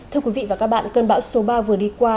thưa quý vị và các bạn cơn bão số ba vừa đi qua